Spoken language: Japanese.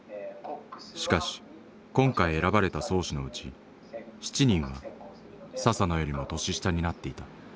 しかし今回選ばれた漕手のうち７人は佐々野よりも年下になっていた。